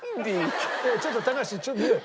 ちょっと高橋ちょっと見ようよ。